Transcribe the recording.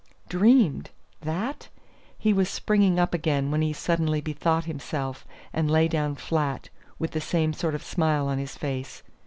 "Dreamed? that!" He was springing up again when he suddenly bethought himself, and lay down flat, with the same sort of smile on his face.